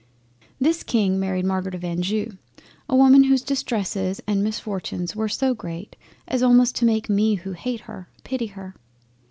This King married Margaret of Anjou, a Woman whose distresses and misfortunes were so great as almost to make me who hate her, pity her.